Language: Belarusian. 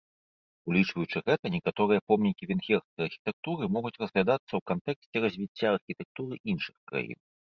Улічваючы гэта, некаторыя помнікі венгерскай архітэктуры могуць разглядацца ў кантэксце развіцця архітэктуры іншых краін.